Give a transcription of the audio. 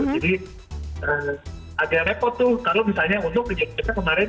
jadi agak repot tuh kalau misalnya untuk penyelesaiannya kemarin malam hari ini